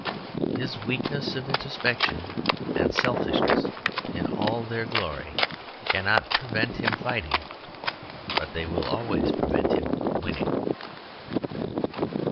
His weakness of introspection and selfishness in all their glory cannot prevent him fighting; but they will always prevent him winning.